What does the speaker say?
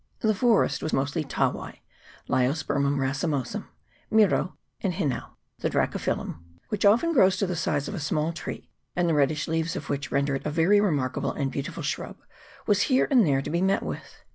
The forest was mostly tawai (Leiospermum racemosum), miro, and hinau ; the Dracophyllum, which often grows to the size of a small tree, and the reddish leaves of which render it a very remarkable and beautiful shrub, was here and there to be met with.